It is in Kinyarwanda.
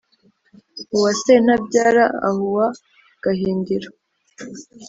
uwa séntabyara áhuwa gahindiro